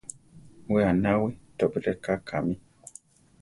We aʼnawí, chópi rʼeká kámi.